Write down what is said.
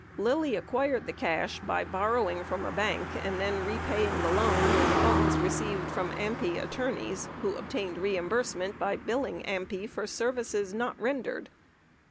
Lilly acquired the cash by borrowing from a bank and then repaying the loan with funds received from AMPI attorneys who obtained reimbursement by billing AMPI for services not rendered.